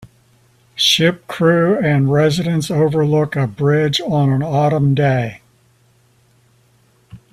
Ship crew and residents overlook a bridge on an Autumn day.